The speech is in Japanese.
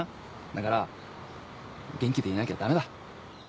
だから元気でいなきゃダメだ。